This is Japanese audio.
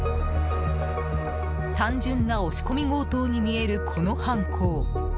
単純な押し込み強盗に見えるこの犯行。